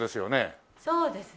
そうですね。